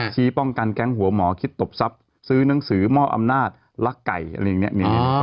ชี้ป้องกันแก๊งหัวหมอคิดตบทรัพย์ซื้อหนังสือมอบอำนาจลักไก่อะไรอย่างนี้